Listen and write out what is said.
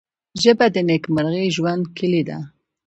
ژبه د نیکمرغه ژوند کلۍ ده